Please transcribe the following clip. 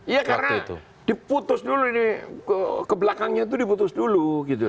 iya karena diputus dulu ini kebelakangnya itu diputus dulu